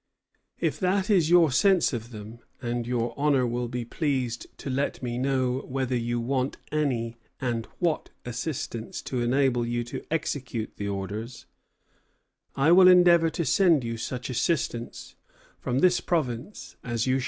If that is your sense of them, and your honor will be pleased to let me know whether you want any and what assistance to enable you to execute the orders, I will endeavor to send you such assistance from this province as you shall want."